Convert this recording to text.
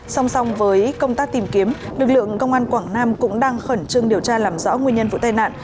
song song với công tác tìm kiếm lực lượng công an quảng nam cũng đang khẩn trương điều tra làm rõ nguyên nhân vụ tai nạn